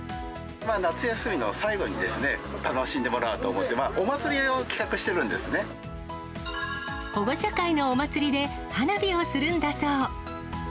夏休みの最後に楽しんでもらおうと思って、お祭りを企画して保護者会のお祭りで花火をするんだそう。